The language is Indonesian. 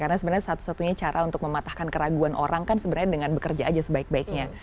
karena sebenarnya satu satunya cara untuk mematahkan keraguan orang kan sebenarnya dengan bekerja aja sebaik baiknya